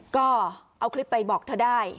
ก็เอาคลิปไปบอกเธอได้